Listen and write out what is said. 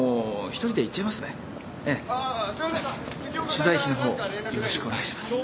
取材費の方よろしくお願いします。